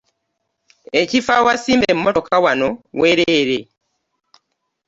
Ekifo awasimba emotoka wano weereere!